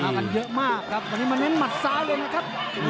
กันเยอะมากครับวันนี้มาเน้นหมัดซ้ายเลยนะครับ